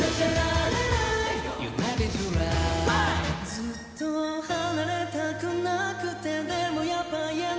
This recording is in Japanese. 「ずっと離れたくなくてでもやっぱ言えなくて」